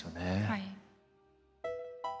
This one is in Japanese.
はい。